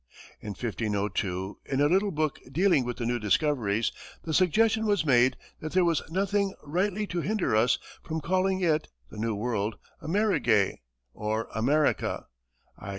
In 1502, in a little book dealing with the new discoveries, the suggestion was made that there was nothing "rightly to hinder us from calling it [the New World] Amerige or America, i.